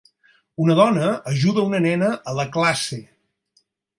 Una dona ajuda una nena a la classe.